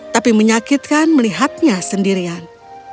tapi menyakitkan melihatnya sendirian